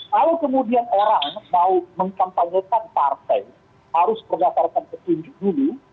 kalau kemudian orang mau mengkampanyekan partai harus berdasarkan petunjuk dulu